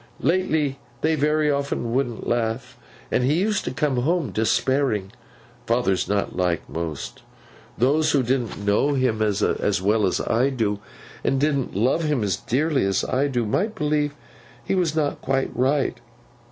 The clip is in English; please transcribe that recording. Lately, they very often wouldn't laugh, and he used to come home despairing. Father's not like most. Those who didn't know him as well as I do, and didn't love him as dearly as I do, might believe he was not quite right.